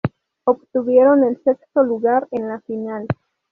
Obtuvieron el sexto lugar en la final.